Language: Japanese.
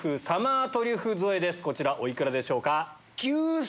こちらお幾らでしょうか？